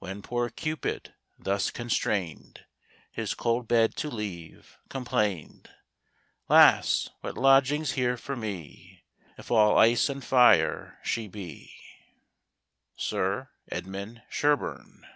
When poor Cupid (thus constrain'd His cold bed to leave) complain'd: "'Las! what lodging's here for me, If all ice and fire she be." Sir Edmund Sherburne.